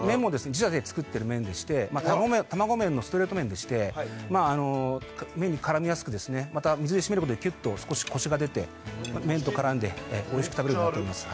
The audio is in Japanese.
自社で作っている麺でして卵麺のストレート麺でして麺に絡みやすくですねまた水で締めることでキュッと少しコシが出て麺と絡んでおいしく食べられるようになっております